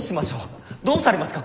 どうされますか？